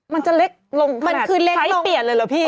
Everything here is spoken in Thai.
มันจะเล็กลงขนาดไซส์เปลี่ยนเลยหรอพี่